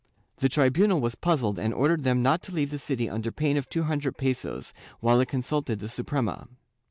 The tribunal was puzzled and ordered them not to leave the city under pain of two hundred pesos, while it consulted the Suprema.